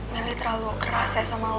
melih terlalu keras ya sama lo